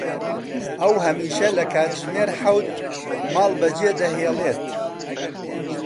ئەو هەمیشە لە کاتژمێر حەوت ماڵ بەجێ دەهێڵێت.